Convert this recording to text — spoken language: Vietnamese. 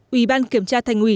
ủy ban kiểm tra thành ủy